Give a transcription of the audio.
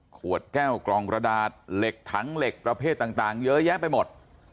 ขวดแก้วกล่องกระดาษเหล็กถังเหล็กประเภทต่างเยอะแยะไปหมด